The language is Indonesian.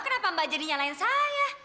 kenapa mbak jadi nyalain saya